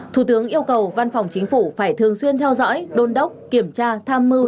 thủ tướng yêu cầu văn phòng chính phủ phải thường xuyên theo dõi đôn đốc kiểm tra tham mưu